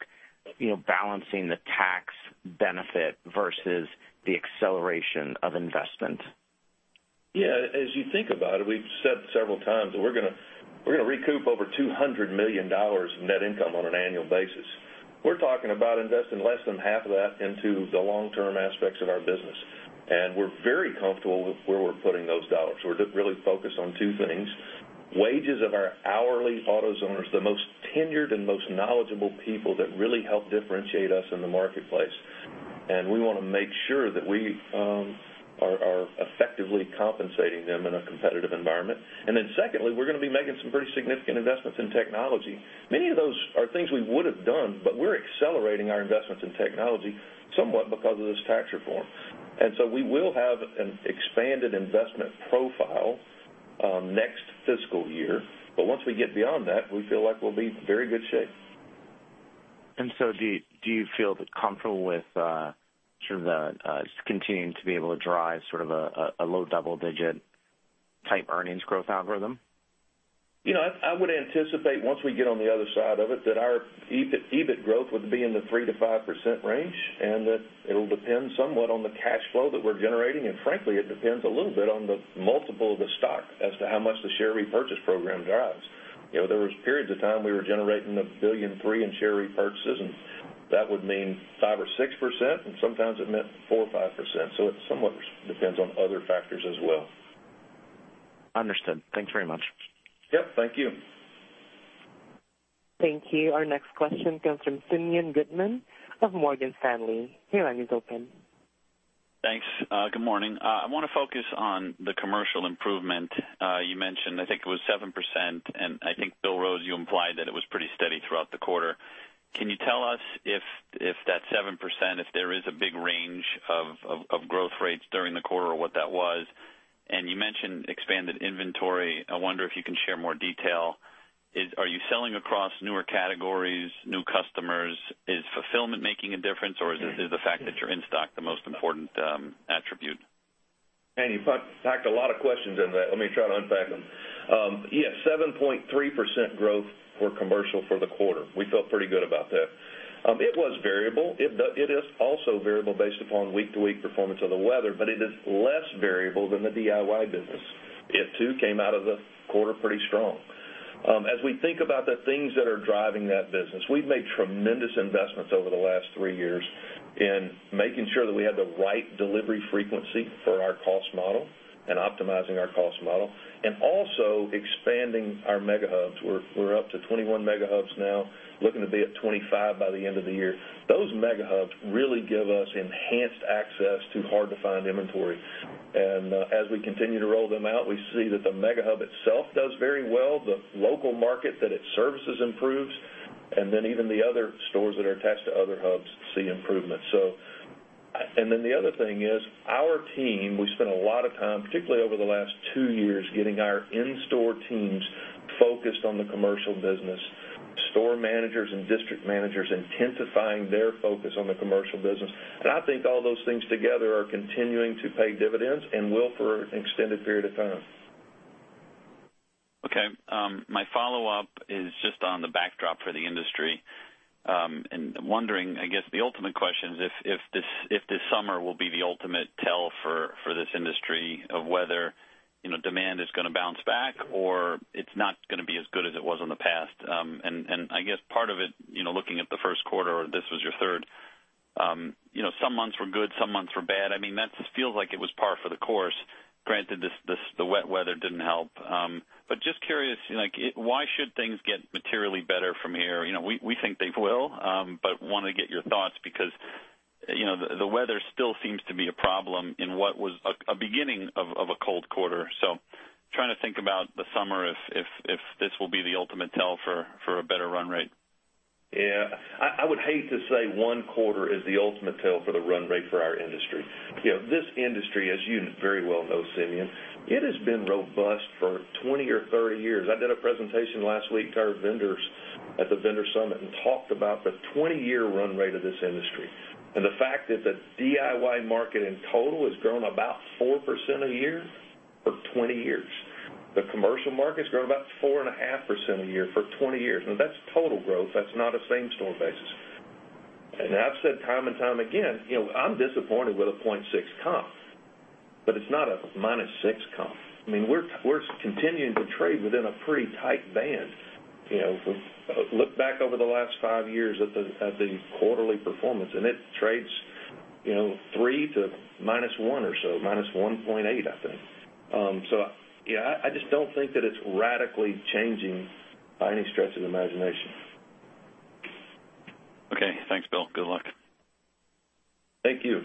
balancing the tax benefit versus the acceleration of investment. Yeah. As you think about it, we've said several times that we're going to recoup over $200 million in net income on an annual basis. We're talking about investing less than half of that into the long-term aspects of our business, and we're very comfortable with where we're putting those dollars. We're really focused on two things, wages of our hourly AutoZoners, the most tenured and most knowledgeable people that really help differentiate us in the marketplace. We want to make sure that we are effectively compensating them in a competitive environment. Secondly, we're going to be making some pretty significant investments in technology. Many of those are things we would've done, but we're accelerating our investments in technology somewhat because of this tax reform. We will have an expanded investment profile next fiscal year. Once we get beyond that, we feel like we'll be in very good shape. Do you feel comfortable with sort of the continuing to be able to drive sort of a low double digit type earnings growth algorithm? I would anticipate once we get on the other side of it, that our EBIT growth would be in the 3%-5% range, and that it'll depend somewhat on the cash flow that we're generating, and frankly, it depends a little bit on the multiple of the stock as to how much the share repurchase program drives. There was periods of time we were generating $1.3 billion in share repurchases and that would mean 5% or 6%, and sometimes it meant 4% or 5%. It somewhat depends on other factors as well. Understood. Thanks very much. Yep, thank you. Thank you. Our next question comes from Simeon Gutman of Morgan Stanley. Your line is open. Thanks. Good morning. I want to focus on the commercial improvement. You mentioned, I think it was 7%, and I think Bill Rhodes, you implied that it was pretty steady throughout the quarter. Can you tell us if that 7%, if there is a big range of growth rates during the quarter or what that was? You mentioned expanded inventory. I wonder if you can share more detail. Are you selling across newer categories, new customers? Is fulfillment making a difference, or is the fact that you're in stock the most important attribute? Man, you packed a lot of questions into that. Let me try to unpack them. Yes, 7.3% growth for commercial for the quarter. We felt pretty good about that. It was variable. It is also variable based upon week-to-week performance of the weather, but it is less variable than the DIY business. It too came out of the quarter pretty strong. As we think about the things that are driving that business, we've made tremendous investments over the last three years in making sure that we have the right delivery frequency for our cost model and optimizing our cost model and also expanding our Mega Hubs. We're up to 21 Mega Hubs now, looking to be at 25 by the end of the year. Those Mega Hubs really give us enhanced access to hard-to-find inventory. As we continue to roll them out, we see that the Mega Hub itself does very well, the local market that it services improves, even the other stores that are attached to other hubs see improvement. The other thing is our team, we spent a lot of time, particularly over the last two years, getting our in-store teams focused on the commercial business, store managers and district managers intensifying their focus on the commercial business. I think all those things together are continuing to pay dividends and will for an extended period of time. Okay. My follow-up is just on the backdrop for the industry. I'm wondering, I guess the ultimate question is if this summer will be the ultimate tell for this industry of whether demand is going to bounce back or it's not going to be as good as it was in the past. I guess part of it, looking at the first quarter, or this was your third, some months were good, some months were bad. That just feels like it was par for the course, granted the wet weather didn't help. Just curious, why should things get materially better from here? We think they will, but want to get your thoughts because the weather still seems to be a problem in what was a beginning of a cold quarter. Trying to think about the summer if this will be the ultimate tell for a better run rate. Yeah. I would hate to say one quarter is the ultimate tell for the run rate for our industry. This industry, as you very well know, Simeon, it has been robust for 20 or 30 years. I did a presentation last week to our vendors at the vendor summit and talked about the 20-year run rate of this industry and the fact that the DIY market in total has grown about 4% a year for 20 years. The commercial market's grown about 4.5% a year for 20 years. Now that's total growth. That's not a same-store basis. I've said time and time again, I'm disappointed with a 0.6 comp, but it's not a minus six comp. We're continuing to trade within a pretty tight band. Look back over the last five years at the quarterly performance, and it trades three to minus one or so, minus 1.8, I think. Yeah, I just don't think that it's radically changing by any stretch of the imagination. Okay. Thanks, Bill. Good luck. Thank you.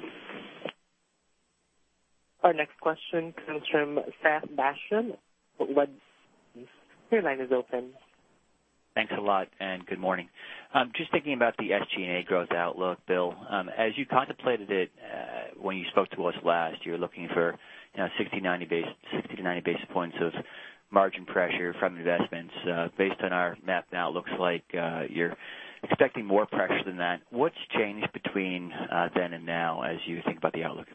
Our next question comes from Seth Basham with. Your line is open. Thanks a lot. Good morning. Just thinking about the SG&A growth outlook, Bill. As you contemplated it when you spoke to us last year, looking for 60-90 basis points of margin pressure from investments. Based on our math now, it looks like you're expecting more pressure than that. What's changed between then and now as you think about the outlook?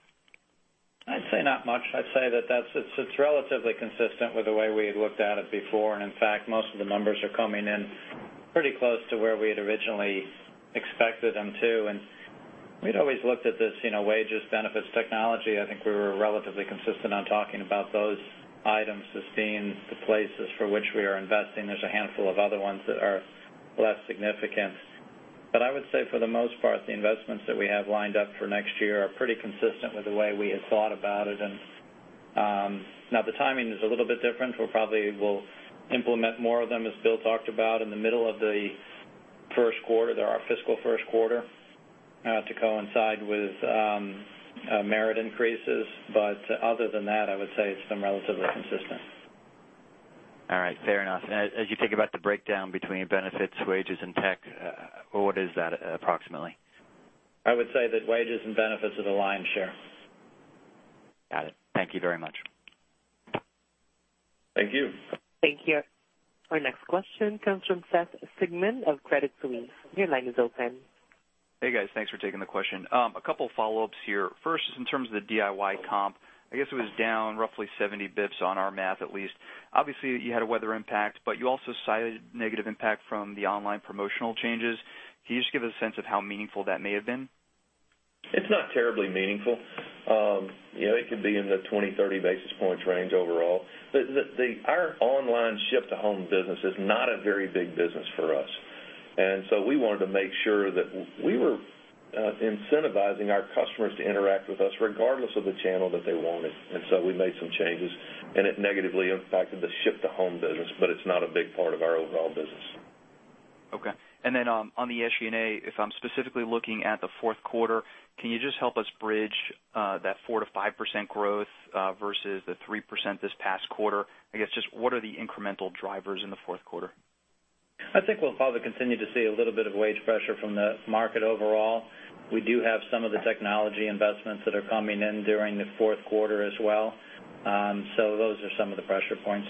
I'd say not much. I'd say that it's relatively consistent with the way we had looked at it before. In fact, most of the numbers are coming in pretty close to where we had originally expected them to. We'd always looked at this, wages, benefits, technology. I think we were relatively consistent on talking about those items as being the places for which we are investing. There's a handful of other ones that are less significant. I would say for the most part, the investments that we have lined up for next year are pretty consistent with the way we had thought about it. Now, the timing is a little bit different. We probably will implement more of them, as Bill talked about, in the middle of the first quarter, our fiscal first quarter, to coincide with merit increases. Other than that, I would say it's been relatively consistent. All right. Fair enough. As you think about the breakdown between benefits, wages, and tech, what is that approximately? I would say that wages and benefits are the lion's share. Got it. Thank you very much. Thank you. Thank you. Our next question comes from Seth Sigman of Credit Suisse. Your line is open. Hey, guys. Thanks for taking the question. A couple follow-ups here. First is in terms of the DIY comp. I guess it was down roughly 70 basis points on our math at least. Obviously, you had a weather impact, but you also cited negative impact from the online promotional changes. Can you just give us a sense of how meaningful that may have been? It's not terribly meaningful. It could be in the 20, 30 basis points range overall. Our online ship-to-home business is not a very big business for us. We wanted to make sure that we were incentivizing our customers to interact with us regardless of the channel that they wanted. We made some changes, and it negatively impacted the ship-to-home business, it's not a big part of our overall business. Okay. On the SG&A, if I'm specifically looking at the fourth quarter, can you just help us bridge that 4%-5% growth versus the 3% this past quarter? I guess, just what are the incremental drivers in the fourth quarter? I think we'll probably continue to see a little bit of wage pressure from the market overall. We do have some of the technology investments that are coming in during the fourth quarter as well. Those are some of the pressure points.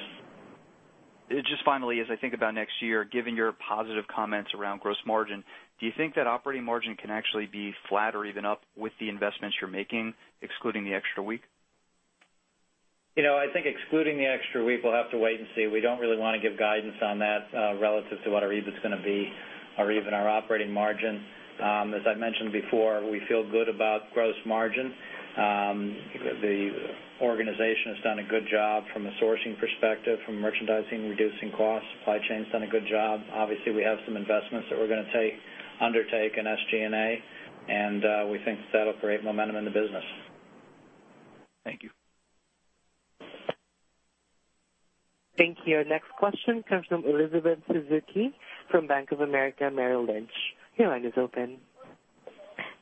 Just finally, as I think about next year, given your positive comments around gross margin, do you think that operating margin can actually be flat or even up with the investments you're making, excluding the extra week? I think excluding the extra week, we'll have to wait and see. We don't really want to give guidance on that relative to what our EBITDA's going to be or even our operating margin. As I mentioned before, we feel good about gross margin. The organization has done a good job from a sourcing perspective, from merchandising, reducing costs. Supply chain's done a good job. Obviously, we have some investments that we're going to undertake in SG&A, we think that'll create momentum in the business. Thank you. Thank you. Our next question comes from Elizabeth Suzuki from Bank of America Merrill Lynch. Your line is open.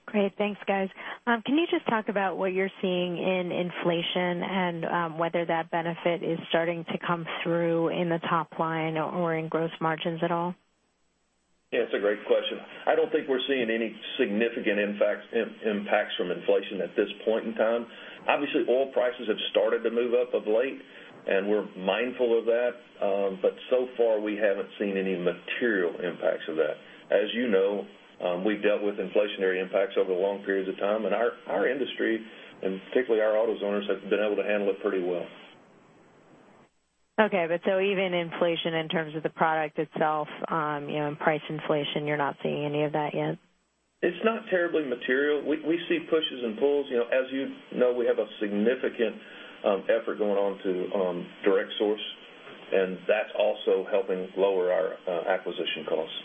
Great. Thanks, guys. Can you just talk about what you're seeing in inflation and whether that benefit is starting to come through in the top line or in gross margins at all? Yeah, it's a great question. I don't think we're seeing any significant impacts from inflation at this point in time. Obviously, oil prices have started to move up of late, and we're mindful of that. So far, we haven't seen any material impacts of that. As you know, we've dealt with inflationary impacts over long periods of time, and our industry, and particularly our AutoZoners, have been able to handle it pretty well. Okay. Even inflation in terms of the product itself, and price inflation, you're not seeing any of that yet? It's not terribly material. We see pushes and pulls. As you know, we have a significant effort going on to direct source. That's also helping lower our acquisition costs.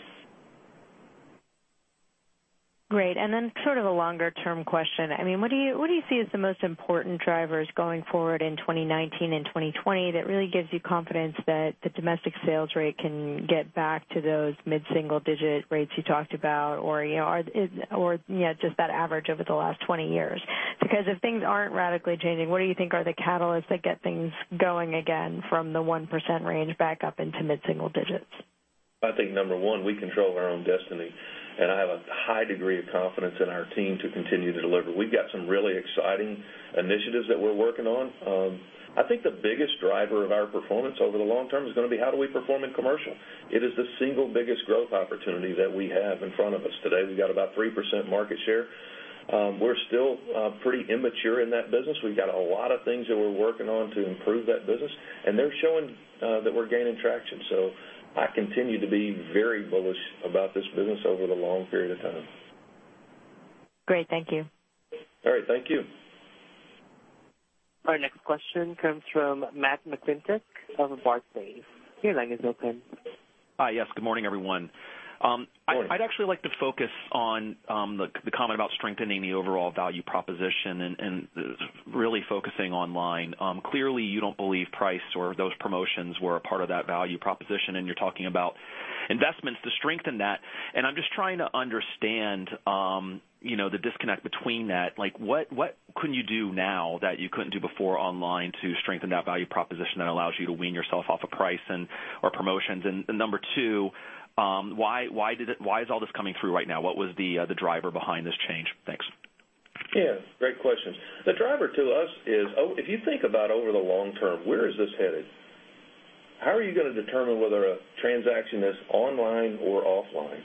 Great. Then sort of a longer-term question. What do you see as the most important drivers going forward in 2019 and 2020 that really gives you confidence that the domestic sales rate can get back to those mid-single digit rates you talked about or just that average over the last 20 years? If things aren't radically changing, what do you think are the catalysts that get things going again from the 1% range back up into mid-single digits? I think number 1, we control our own destiny. I have a high degree of confidence in our team to continue to deliver. We've got some really exciting initiatives that we're working on. I think the biggest driver of our performance over the long term is going to be how do we perform in commercial. It is the single biggest growth opportunity that we have in front of us today. We've got about 3% market share. We're still pretty immature in that business. We've got a lot of things that we're working on to improve that business. They're showing that we're gaining traction. I continue to be very bullish about this business over the long period of time. Great. Thank you. All right. Thank you. Our next question comes from Matthew McClintock of Barclays. Your line is open. Hi. Yes, good morning, everyone. Morning. I'd actually like to focus on the comment about strengthening the overall value proposition and really focusing online. Clearly, you don't believe price or those promotions were a part of that value proposition, and you're talking about investments to strengthen that. I'm just trying to understand the disconnect between that. What could you do now that you couldn't do before online to strengthen that value proposition that allows you to wean yourself off of price or promotions? Number two, why is all this coming through right now? What was the driver behind this change? Thanks. Yeah, great question. The driver to us is, if you think about over the long term, where is this headed? How are you going to determine whether a transaction is online or offline?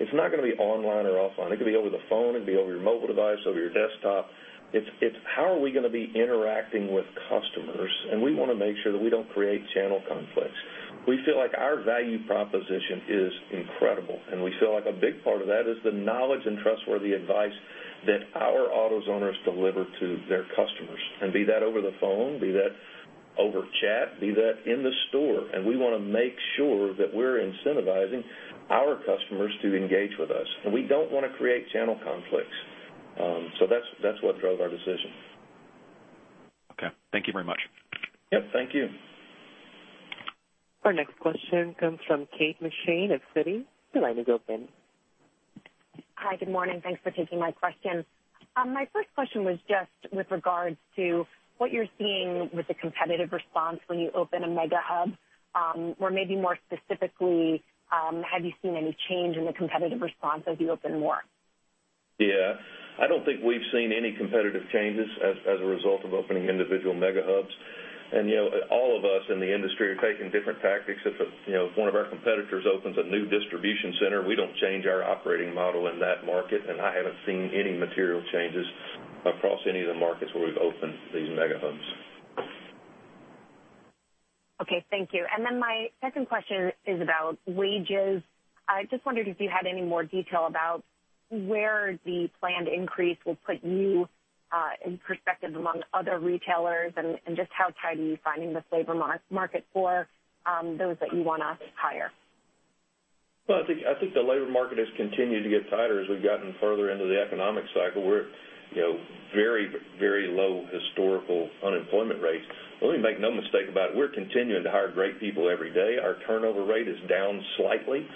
It's not going to be online or offline. It could be over the phone, it could be over your mobile device, over your desktop. It's how are we going to be interacting with customers, and we want to make sure that we don't create channel conflicts. We feel like our value proposition is incredible, and we feel like a big part of that is the knowledge and trustworthy advice that our AutoZoners deliver to their customers. Be that over the phone, be that over chat, be that in the store. We want to make sure that we're incentivizing our customers to engage with us. We don't want to create channel conflicts. That's what drove our decision. Okay. Thank you very much. Yep, thank you. Our next question comes from Kate McShane of Citi. Your line is open. Hi. Good morning. Thanks for taking my question. My first question was just with regards to what you're seeing with the competitive response when you open a Mega Hub, or maybe more specifically, have you seen any change in the competitive response as you open more? Yeah. I don't think we've seen any competitive changes as a result of opening individual Mega Hubs. All of us in the industry are taking different tactics. If one of our competitors opens a new distribution center, we don't change our operating model in that market. I haven't seen any material changes across any of the markets where we've opened these Mega Hubs. Okay, thank you. My second question is about wages. I just wondered if you had any more detail about where the planned increase will put you in perspective among other retailers. Just how tight are you finding this labor market for those that you want to hire? Well, I think the labor market has continued to get tighter as we've gotten further into the economic cycle. We're very low historical unemployment rates. Let me make no mistake about it, we're continuing to hire great people every day. Our turnover rate is down slightly.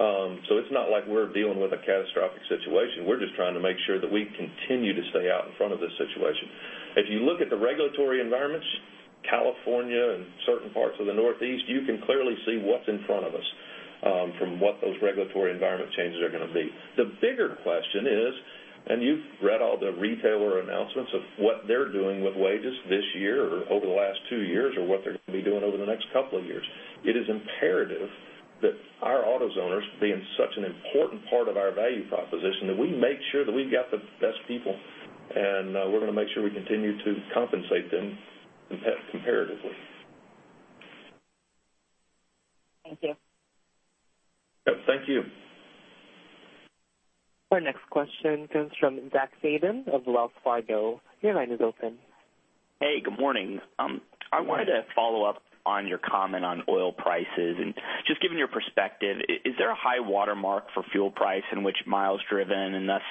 It's not like we're dealing with a catastrophic situation. We're just trying to make sure that we continue to stay out in front of this situation. If you look at the regulatory environments, California and certain parts of the Northeast, you can clearly see what's in front of us from what those regulatory environment changes are going to be. The bigger question is, you've read all the retailer announcements of what they're doing with wages this year or over the last two years or what they're going to be doing over the next couple of years. It is imperative that our AutoZoners, being such an important part of our value proposition, that we make sure that we've got the best people. We're going to make sure we continue to compensate them competitively. Thank you. Yep, thank you. Our next question comes from Zachary Fadem of Wells Fargo. Your line is open. Hey, good morning. Good morning. I wanted to follow up on your comment on oil prices and just give me your perspective. Is there a high watermark for fuel price in which miles driven and thus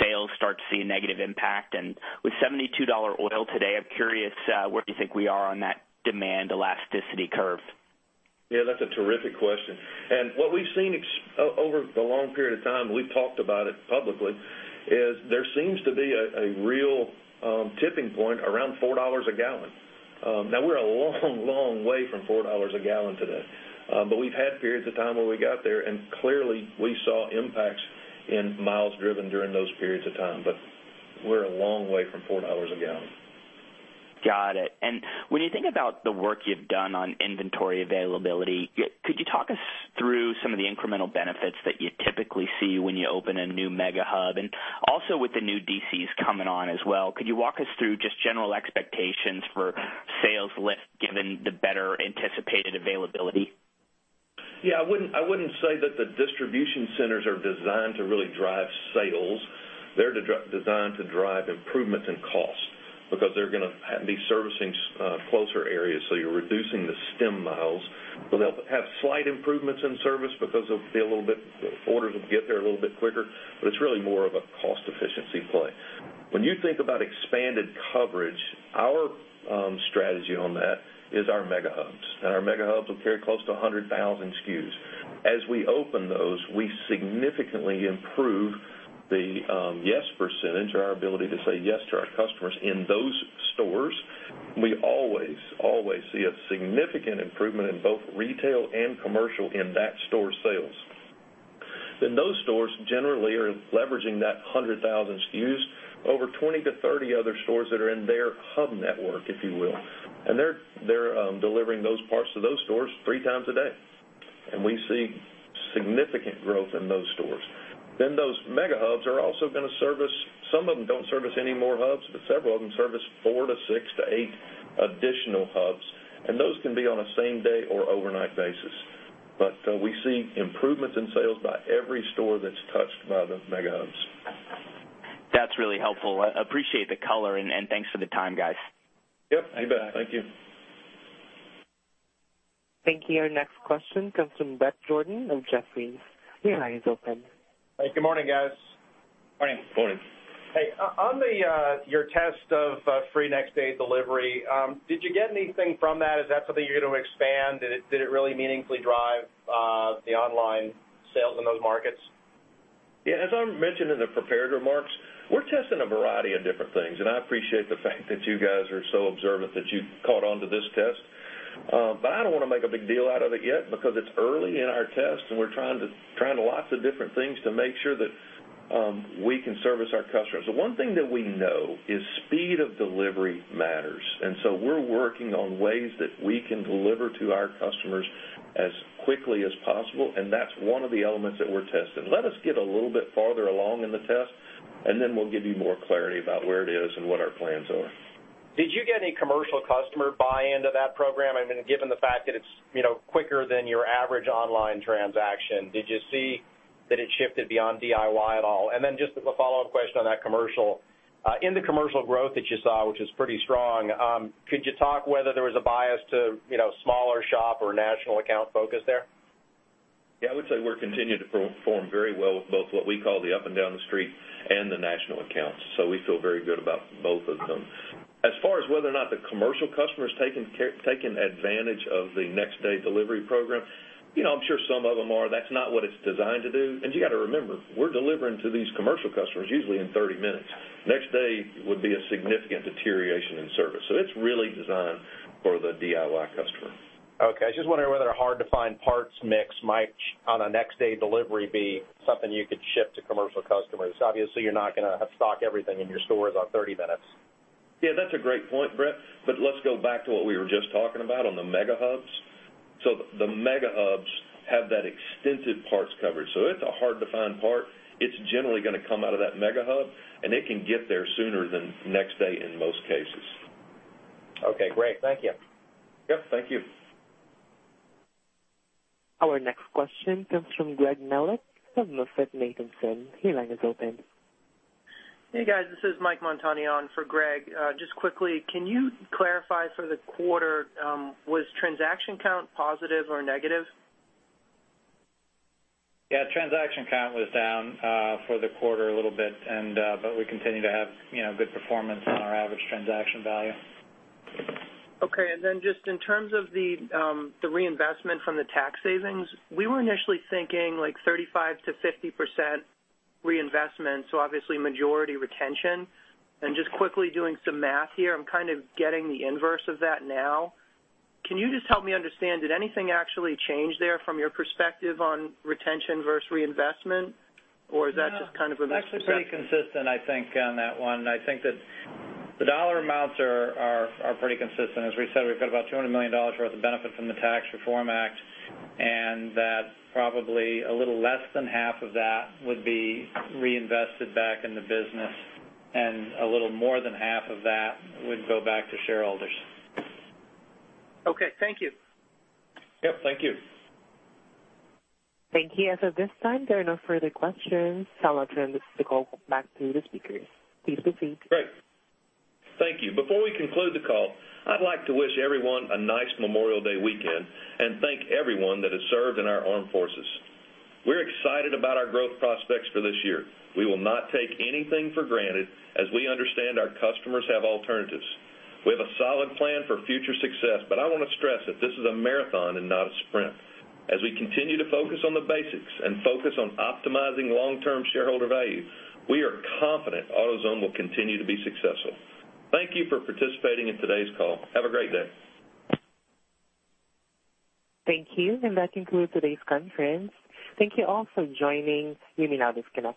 sales start to see a negative impact? With $72 oil today, I'm curious where you think we are on that demand elasticity curve. Yeah, that's a terrific question. What we've seen over the long period of time, we've talked about it publicly, is there seems to be a real tipping point around $4 a gallon. Now we're a long way from $4 a gallon today. We've had periods of time where we got there, and clearly, we saw impacts in miles driven during those periods of time, but we're a long way from $4 a gallon. Got it. When you think about the work you've done on inventory availability, could you talk us through some of the incremental benefits that you typically see when you open a new Mega Hub? Also with the new DCs coming on as well, could you walk us through just general expectations for sales lift given the better anticipated availability? Yeah, I wouldn't say that the Distribution Centers are designed to really drive sales. They're designed to drive improvement in cost because they're going to be servicing closer areas, so you're reducing the stem miles. They'll have slight improvements in service because orders will get there a little bit quicker, but it's really more of a cost efficiency play. When you think about expanded coverage, our strategy on that is our Mega Hubs. Our Mega Hubs will carry close to 100,000 SKUs. As we open those, we significantly improve the Yes percentage or our ability to say Yes to our customers in those stores. We always see a significant improvement in both retail and commercial in that store sales. Those stores generally are leveraging that 100,000 SKUs over 20 to 30 other stores that are in their hub network, if you will. They're delivering those parts to those stores three times a day. We see significant growth in those stores. Those Mega Hubs are also going to service, some of them don't service any more hubs, but several of them service four to six to eight additional hubs, and those can be on a same-day or overnight basis. We see improvements in sales by every store that's touched by the Mega Hubs. That's really helpful. I appreciate the color and thanks for the time, guys. Yep, you bet. Thank you. Thank you. Our next question comes from Bret Jordan of Jefferies. Your line is open. Hey, good morning, guys. Morning. Morning. Hey, on your test of free next day delivery, did you get anything from that? Is that something you're going to expand? Did it really meaningfully drive the online sales in those markets? Yeah, as I mentioned in the prepared remarks, we're testing a variety of different things. I appreciate the fact that you guys are so observant that you caught onto this test. I don't want to make a big deal out of it yet because it's early in our test and we're trying lots of different things to make sure that we can service our customers. The one thing that we know is speed of delivery matters. We're working on ways that we can deliver to our customers as quickly as possible, and that's one of the elements that we're testing. Let us get a little bit farther along in the test, then we'll give you more clarity about where it is and what our plans are. Did you get any commercial customer buy-in to that program? I mean, given the fact that it's quicker than your average online transaction, did you see that it shifted beyond DIY at all? Just as a follow-up question on that commercial. In the commercial growth that you saw, which is pretty strong, could you talk whether there was a bias to smaller shop or national account focus there? Yeah, I would say we're continuing to perform very well with both what we call the up and down the street and the national accounts. We feel very good about both of them. As far as whether or not the commercial customer is taking advantage of the next day delivery program, I'm sure some of them are. That's not what it's designed to do. You got to remember, we're delivering to these commercial customers usually in 30 minutes. Next day would be a significant deterioration in service. It's really designed for the DIY customer. Okay. I was just wondering whether a hard-to-find parts mix might, on a next day delivery, be something you could ship to commercial customers. Obviously, you're not going to stock everything in your stores on 30 minutes. That's a great point, Bret, but let's go back to what we were just talking about on the Mega Hubs. The Mega Hubs have that extended parts coverage. If it's a hard-to-find part, it's generally going to come out of that Mega Hub, and it can get there sooner than next day in most cases. Okay, great. Thank you. Yep, thank you. Our next question comes from Greg Melich of MoffettNathanson. Your line is open. Hey, guys, this is Michael Montani for Greg. Just quickly, can you clarify for the quarter, was transaction count positive or negative? Yeah, transaction count was down for the quarter a little bit, but we continue to have good performance on our average transaction value. Okay. Then just in terms of the reinvestment from the tax savings, we were initially thinking 35%-50% reinvestment, so obviously majority retention. Just quickly doing some math here, I'm kind of getting the inverse of that now. Can you just help me understand, did anything actually change there from your perspective on retention versus reinvestment, or is that just kind of a misperception? Actually pretty consistent, I think, on that one. I think that the dollar amounts are pretty consistent. As we said, we've got about $200 million worth of benefit from the Tax Reform Act, and that probably a little less than half of that would be reinvested back in the business, and a little more than half of that would go back to shareholders. Okay, thank you. Yep, thank you. Thank you. As of this time, there are no further questions. I'll now turn this call back to the speakers. Please proceed. Great. Thank you. Before we conclude the call, I'd like to wish everyone a nice Memorial Day weekend and thank everyone that has served in our armed forces. We're excited about our growth prospects for this year. We will not take anything for granted, as we understand our customers have alternatives. We have a solid plan for future success, but I want to stress that this is a marathon and not a sprint. As we continue to focus on the basics and focus on optimizing long-term shareholder value, we are confident AutoZone will continue to be successful. Thank you for participating in today's call. Have a great day. Thank you. That concludes today's conference. Thank you all for joining. You may now disconnect.